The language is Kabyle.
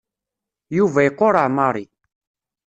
Yuba iqureɛ Mary.